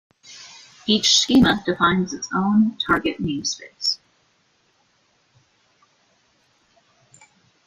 Each schema defines its own target namespace.